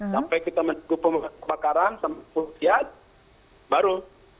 sampai kita mencukupi pembakaran sampai kita lihat baru